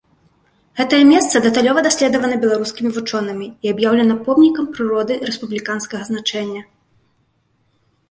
Гэтае месца дэталёва даследавана беларускімі вучонымі і аб'яўлена помнікам прыроды рэспубліканскага значэння.